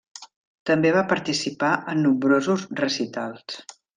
També va participar en nombrosos recitals.